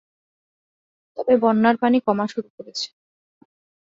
তবে বন্যার পানি কমা শুরু করেছে।